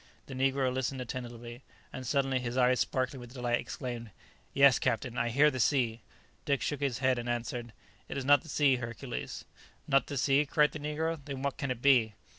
The negro listened attentively, and suddenly, his eyes sparkling with delight, exclaimed, "Yes, captain, I hear the sea!" Dick shook his head and answered, "It is not the sea, Hercules." "Not the sea!" cried the negro, "then what can it be?"